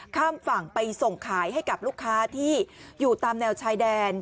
ข้ามฝั่งไปส่งขายให้กับลูกค้าที่อยู่ตามแนวชายแดน